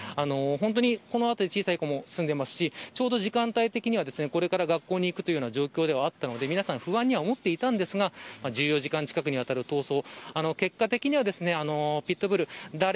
本当にこの辺り小さい子も住んでいますしちょうど時間帯的には、これから学校に行くという状況ではあったので、皆さん不安には思っていましたが１４時間近くにわたる逃走結果的にはピット・ブル